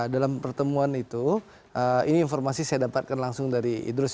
dalam pertemuan itu ini informasi saya dapatkan langsung dari idrus